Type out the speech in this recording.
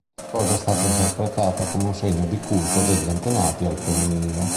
La cosa è stata interpretata come un segno di culto degli antenati al femminile.